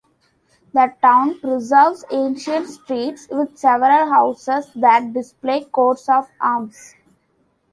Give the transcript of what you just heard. The town preserves ancient streets, with several houses that display coats of arms.